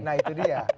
nah itu dia